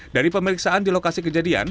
dari pemeriksaan di lokasi kejadian